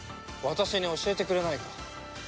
私に教えてくれないか。